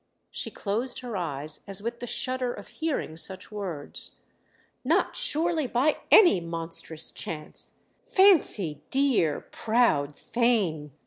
She closed her eyes as with the shudder of hearing such words. "Not, surely, by any monstrous chance! Fancy dear, proud Theign———!"